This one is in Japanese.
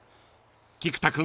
［菊田君